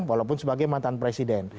walaupun sebagai mantan presiden